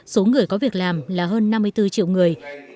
số người có việc làm là hơn năm mươi bốn triệu người